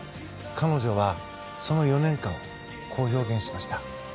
彼女はその４年間をこう表現しました。